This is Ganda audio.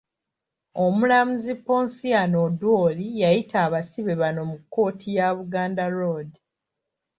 Omulamuzi Ponsiano Odwori yayita abasibe bano mu kkooti ya Buganda road.